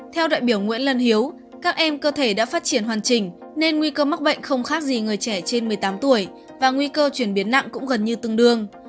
theo đại biểu nguyễn lân hiếu các em cơ thể đã phát triển hoàn chỉnh nên nguy cơ mắc bệnh không khác gì người trẻ trên một mươi tám tuổi và nguy cơ chuyển biến nặng cũng gần như tương đương